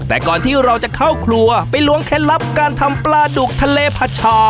แต่ก่อนที่เราจะเข้าครัวไปล้วงเคล็ดลับการทำปลาดุกทะเลผัดชา